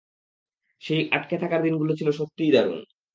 সেই আটকে থাকার দিনগুলো ছিল সত্যিই দারুণ!